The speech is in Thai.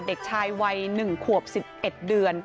เด็กชายวัย๑ขวบ๑๑เดือน